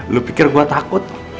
lu pikir gua takut